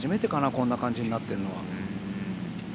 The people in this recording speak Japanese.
こんな感じになってるのは。